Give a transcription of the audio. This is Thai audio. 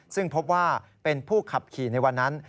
ซึ่งพบว่าเป็นผู้ขับขี่ในวันนั้น